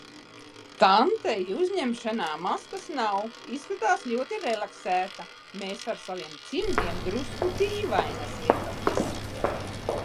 Tantei uzņemšanā maskas nav, izskatās ļoti relaksēta, mēs ar saviem cimdiem drusku dīvainas liekamies.